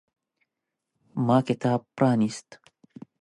ما کتاب پرانیست.